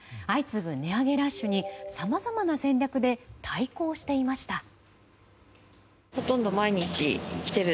相次ぐ値上げラッシュにさまざまな戦略で対抗していました。